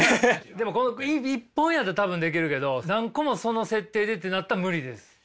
でもこの１本やったら多分できるけど何個もその設定でってなったら無理です。